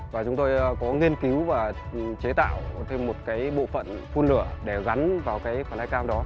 và chúng tôi có nghiên cứu và chế tạo thêm một cái bộ phận phun lửa để gắn vào cái flycam đó